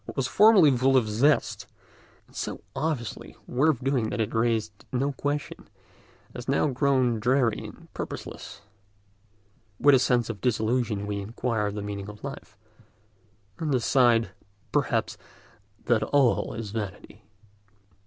What was formerly full of zest, and so obviously worth doing that it raised no questions, has now grown dreary and purposeless: with a sense of disillusion we inquire the meaning of life, and decide, perhaps, that all is vanity.